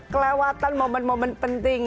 kelawatan momen momen penting